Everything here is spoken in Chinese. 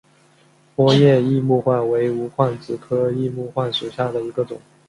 波叶异木患为无患子科异木患属下的一个种。